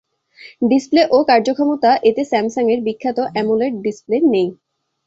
Display ও কার্যক্ষমতা এতে স্যামসাংয়ের বিখ্যাত অ্যামোলেড ডিসপ্লে নেই।